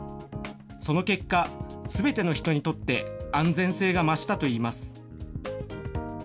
その結果、すべての人にとって安全性が増したといいます。